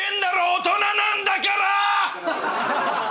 大人なんだから‼